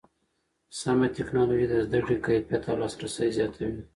سمه ټکنالوژي د زده کړې کیفیت او لاسرسی زیاتوي.